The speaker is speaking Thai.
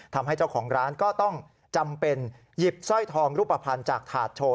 ทำให้เจ้าของร้านก็ต้องจำเป็นหยิบสร้อยทองรูปภัณฑ์จากถาดโชว์